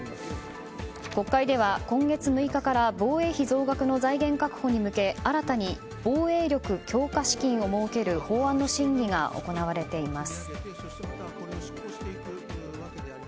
国会では今月６日から防衛費増額の財源確保に向け新たに防衛力強化資金を設ける法案の審議が行われています。